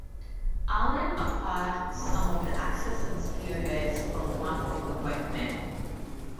Allen acquired some of the axes and spearheads from one of the workmen.